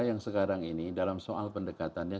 yang sekarang ini dalam soal pendekatannya